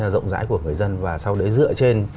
rộng rãi của người dân và sau đấy dựa trên